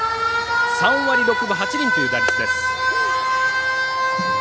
３割６分８厘という打率です。